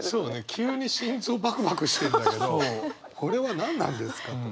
急に心臓バクバクしてんだけどこれは何なんですかと。